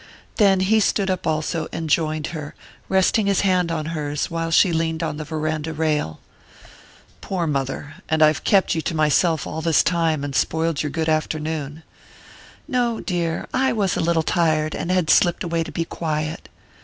Then he stood up also and joined her, resting his hand on hers while she leaned on the verandah rail. "Poor mother! And I've kept you to myself all this time, and spoiled your good afternoon." "No, dear; I was a little tired, and had slipped away to be quiet."